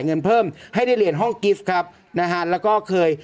เงินเพิ่มให้ได้เรียนห้องกิฟต์ครับนะฮะแล้วก็เคย